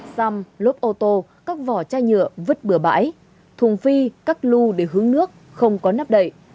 xăm lốp ô tô các vỏ chai nhựa vứt bừa bãi thùng phi các lưu để hướng nước không có nắp đậy